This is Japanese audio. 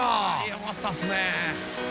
よかったですね。